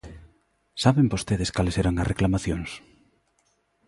¿Saben vostedes cales eran as reclamacións?